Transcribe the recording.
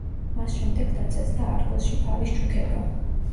მას შემდეგ დაწესდა არგოსში ფარის ჩუქება.